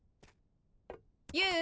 ユウ